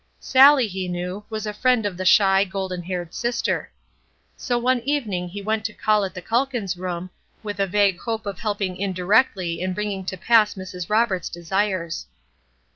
Sallie, he knew, was a friend of the shy, golden haired sister. So one evening he went to call at the Calkins room, with a vague hope of helping indirectly in bringing to pass Mrs. Roberts' desires.